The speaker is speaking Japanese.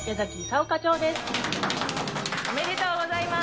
おめでとうございます！